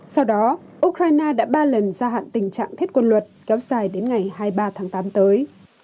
sau đó ukraine đã ba lần gia hạn tình trạng thiết quân luật kéo dài đến ngày hai mươi ba tháng tám tới